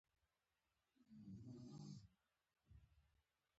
د نجونو تعلیم د چاپیریال پوهاوي زیاتولو مرسته ده.